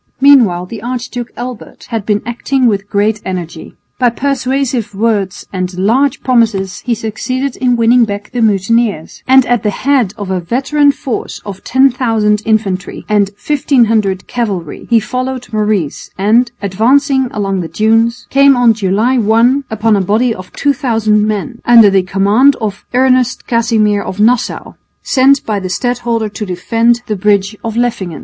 Meanwhile the Archduke Albert had been acting with great energy. By persuasive words and large promises he succeeded in winning back the mutineers, and at the head of a veteran force of 10,000 infantry and 1500 cavalry he followed Maurice and, advancing along the dunes, came on July 1 upon a body of 2000 men under the command of Ernest Casimir of Nassau, sent by the stadholder to defend the bridge of Leffingen.